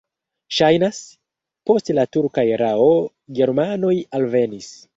Ŝajnas, post la turka erao germanoj alvenis.